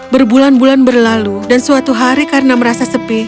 berbulan bulan berlalu dan suatu hari karena merasa sepi